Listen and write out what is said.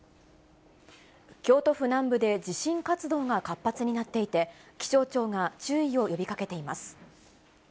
京都府南部で地震活動が活発になっていて、気象庁が注意を呼びかけています。